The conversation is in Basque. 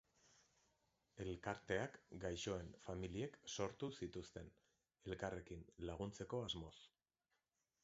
Elkarteak gaixoen familiek sortu zituzten, elkarrekin laguntzeko asmoz.